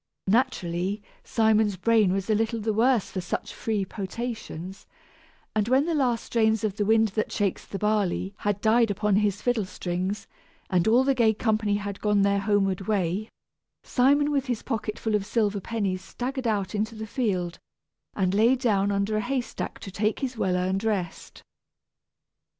Naturally, Simon's brain was a little the worse for such free potations; and when the last strains of the "Wind that Shakes the Barley" had died upon his fiddle strings, and all the gay company had gone their homeward way, Simon with his pocket full of silver pennies staggered out into the field, and lay down under a haystack to take his well earned rest.